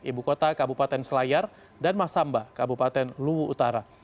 ibu kota kabupaten selayar dan masamba kabupaten luwu utara